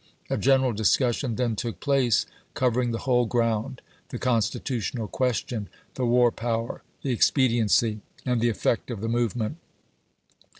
A general discussion then took place, covering the whole ground — the constitutional question, the war power, the expediency, and the effect of the movement.